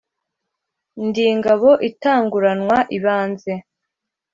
ndi ingabo itanguranwa ibanze